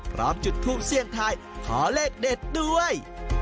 พร้อมจุดทูปเสี่ยงทายขอเลขเด็ดด้วย